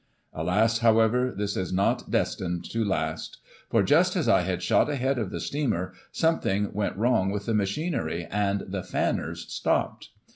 Alas ! however, this was not destined to last ; for, just as I had shot ahead of the steamer, something went wrong with the machinery, and the fanners stopped.